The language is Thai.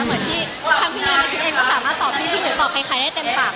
เหมือนที่ทางพิธีนิยนก็สามารถหินหรือตอบใครได้เต็มฝาก